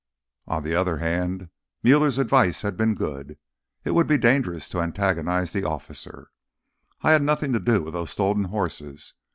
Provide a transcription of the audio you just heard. On the other hand Muller's advice had been good; it would be dangerous to antagonize the officer. "I had nothing to do with those stolen horses.